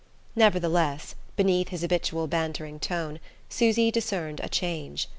Nevertheless, beneath his habitual bantering tone Susy discerned a change.